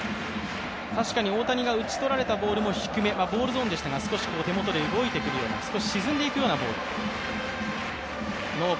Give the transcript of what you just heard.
確かに大谷が打ち取られた球も低めボールゾーンでしたが、少し手元で動いていくような、少し沈んでいくようなボール。